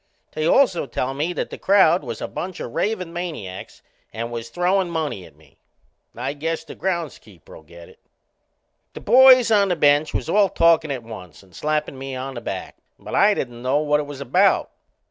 They also tell me that the crowd was a bunch o' ravin' maniacs and was throwin' money at me. I guess the ground keeper'll get it. The boys on the bench was all talkin' at once and slappin' me on the back, but I didn't know what it was about.